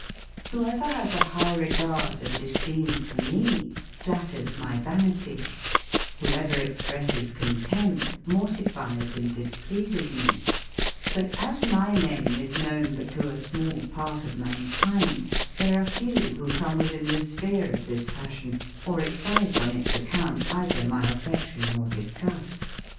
Whoever has a high regard and esteem for me flatters my vanity; whoever expresses contempt mortifies and displeases me; but as my name is known but to a small part of mankind, there are few who come within the sphere of this passion, or excite, on its account, either my affection or disgust.